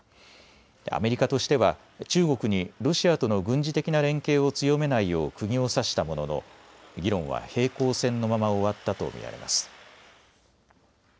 アメリカとしては中国にロシアとの軍事的な連携を強めないようくぎを刺したものの議論は平行線のまま終わったと見られます。